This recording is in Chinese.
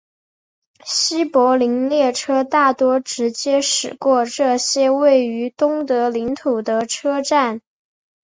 西柏林列车大多直接驶过这些位于东德领土的车站。